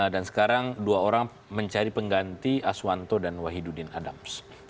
dan sekarang dua orang mencari pengganti aswanto dan wahidudin adams